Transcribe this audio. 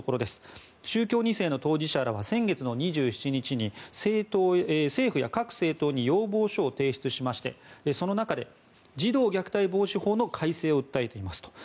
宗教２世の当事者らは先月の２７日政府や各政党に要望書を提出しましてその中で、児童虐待防止法の改正を訴えていますと。